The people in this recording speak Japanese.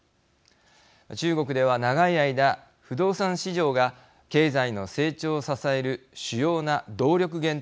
中国では長い間不動産市場が経済の成長を支える主要な動力源となってきました。